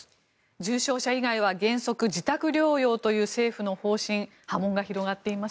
重症者以外は原則自宅療養とする政府の方針波紋が広がっています。